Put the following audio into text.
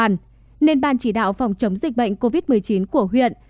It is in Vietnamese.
nên ban chỉ đạo phòng chống dịch bệnh covid một mươi chín của huyện